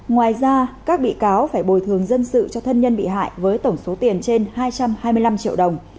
ngoài ra các bị cáo phải bồi thường dân sự cho thân nhân bị hại với tổng số tiền trên hai trăm hai mươi năm triệu đồng